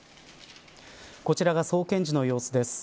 こちらが送検時の様子です。